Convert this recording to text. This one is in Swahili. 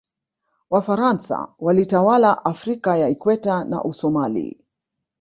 wafaransa walitawala afrika ya ikweta na usomali